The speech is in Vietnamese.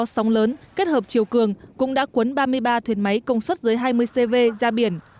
sóng lớn kết hợp chiều cường cũng đã cuốn ba mươi ba thuyền máy công suất dưới hai mươi cv ra biển